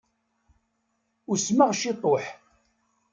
Usmeɣ ciṭuḥ.